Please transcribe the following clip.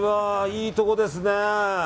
いいところですね。